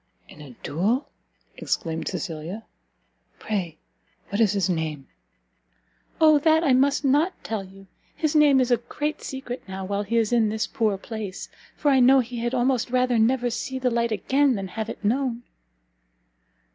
"In a duel?" exclaimed Cecilia, "pray what is his name?" "O that I must not tell you! his name is a great secret now, while he is in this poor place, for I know he had almost rather never see the light again than have it known."